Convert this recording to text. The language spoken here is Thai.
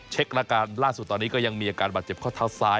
อาการล่าสุดตอนนี้ก็ยังมีอาการบาดเจ็บข้อเท้าซ้าย